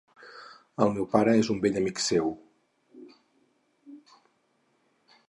El meu pare és un vell amic seu.